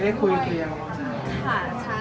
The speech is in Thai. รถครอบครัวหลังแล้วสบายจักร